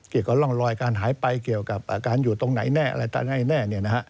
เกี่ยวกับร่องรอยการหายไปเกี่ยวกับอาการอยู่ตรงไหนแน่อะไรแน่